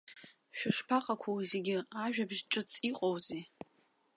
Шәышԥаҟақәоу зегьы, ажәабжь ҿыцс иҟоузеи?